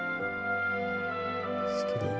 「好きだよ」